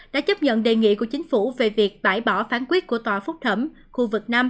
đã chấp nhận đề nghị của chính phủ về việc bãi bỏ phán quyết của tòa phúc thẩm khu vực năm